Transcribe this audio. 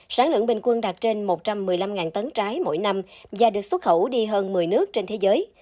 sáng lượng bình quân đạt trên một trăm một mươi năm tấn trái mỗi năm và được xuất khẩu đi hơn một mươi nước trên thế giới